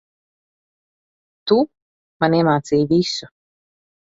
Tu, man iemācīji visu.